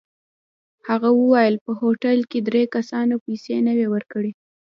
هغه وویل په هوټل کې درې کسانو پیسې نه وې ورکړې.